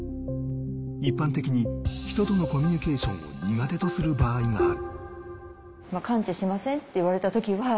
一般的に人とのコミュニケーションを苦手とする場合がある。